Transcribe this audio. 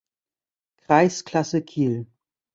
Kreisklasse Kiel.